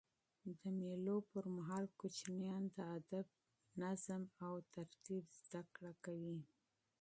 د مېلو پر مهال کوچنيان د ادب، نظم او ترتیب زدهکړه کوي.